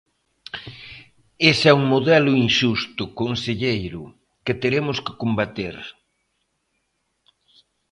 Ese é un modelo inxusto, conselleiro, que teremos que combater.